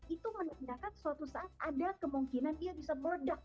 itu menunjukkan suatu saat ada kemungkinan dia bisa meledak